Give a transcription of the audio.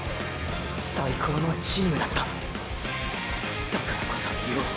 最高のチームだっただからこそ言おう。